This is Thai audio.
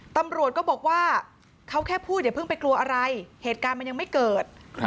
ตำรวจก็บอกว่าเขาแค่พูดอย่าเพิ่งไปกลัวอะไรเหตุการณ์มันยังไม่เกิด